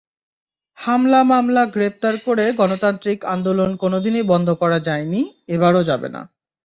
মামলা-হামলা-গ্রেপ্তার করে গণতান্ত্রিক আন্দোলন কোনোদিনই বন্ধ করা যায়নি, এবারও যাবে না।